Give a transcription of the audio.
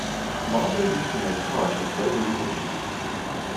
Mazda used to make cars with rotary engines.